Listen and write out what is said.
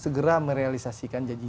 segera merealisasikan janji